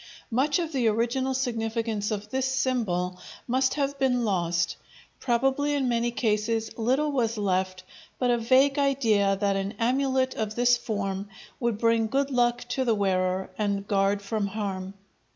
Much of the original significance of this symbol must have been lost; probably in many cases little was left but a vague idea that an amulet of this form would bring good luck to the wearer and guard from harm.